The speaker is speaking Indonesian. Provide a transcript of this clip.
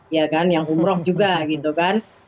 ya kan yang umroh juga gitu kan